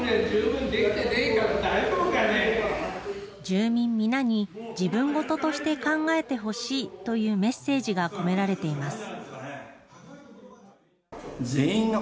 住民皆に、自分事として考えてほしいというメッセージが込められています。